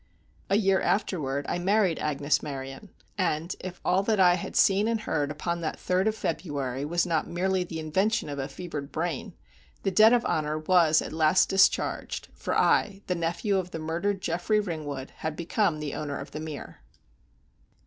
A year afterward I married Agnes Maryon; and, if all that I had seen and heard upon that 3d of February was not merely the invention of a fevered brain, the debt of honor was at last discharged, for I, the nephew of the murdered Geoffrey Ringwood, became the owner of The Mere.